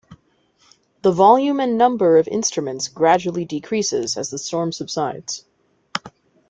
The volume and number of instruments gradually decreases as the storm subsides.